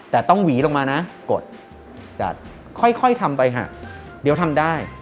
แต่ต้องหวีลงมานะกดจัดค่อยทำไปค่ะเดี๋ยวทำได้